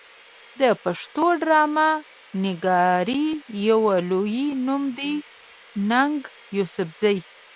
د پښتو ډرامه نګارۍ يو لوئې نوم دی ننګ يوسفزۍ